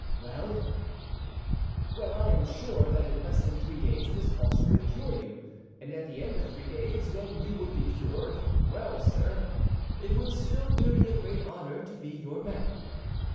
"Well?" "Well, I am sure that in less than three days this balsam would cure you; and at the end of three days, when you would be cured—well, sir, it would still do me a great honor to be your man."